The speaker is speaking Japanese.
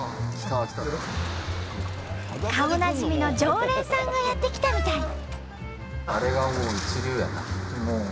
顔なじみの常連さんがやって来たみたい。